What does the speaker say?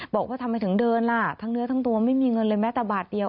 บอกว่าทำไมถึงเดินล่ะทั้งเนื้อทั้งตัวไม่มีเงินเลยแม้แต่บาทเดียว